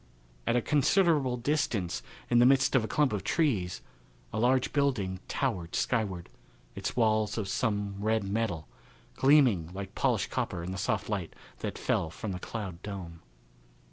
At a considerable distance, in the midst of a clump of trees, a large building towered skyward, its walls of some red metal, gleaming like polished copper in the soft light that fell from the cloud dome.